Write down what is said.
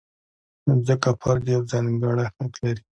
نو ځکه فرد یو ځانګړی حق لري.